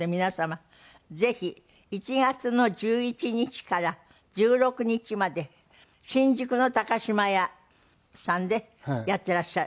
１月の１１日から１６日まで新宿の島屋さんでやっていらっしゃる。